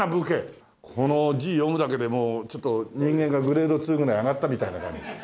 この字読むだけでもうちょっと人間がグレード２ぐらい上がったみたいな感じ。